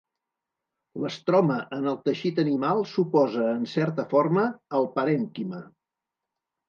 L'estroma en el teixit animal s'oposa, en certa forma, al parènquima.